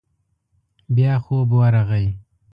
بيا خوب ورغی.